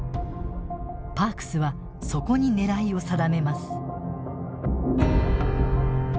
パークスはそこに狙いを定めます。